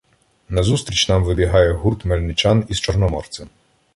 Назустріч нам вибігає гурт мельничан із Чорноморцем.